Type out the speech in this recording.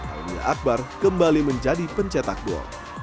aunia akbar kembali menjadi pencetak gol